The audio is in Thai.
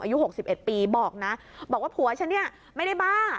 อายุ๖๑ปีบอกนะบอกว่าผัวฉันเนี่ยไม่ได้บ้า